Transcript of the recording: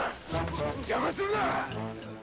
邪魔するな！